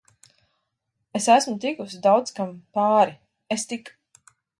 Es esmu tikusi daudz kam p?ri... Es tik